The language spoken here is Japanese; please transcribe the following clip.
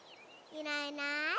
いないいない。